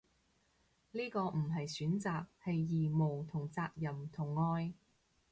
呢個唔係選擇，係義務同責任同愛